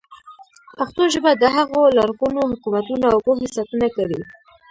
پښتو ژبه د هغو لرغونو حکمتونو او پوهې ساتنه کوي.